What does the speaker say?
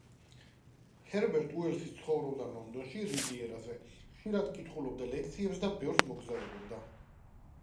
ჰერბერტ უელსი ცხოვრობდა ლონდონში, რივიერაზე, ხშირად კითხულობდა ლექციებს და ბევრს მოგზაურობდა.